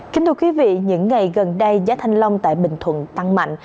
kính thưa quý vị những ngày gần đây giá thanh long tại bình thuận tăng mạnh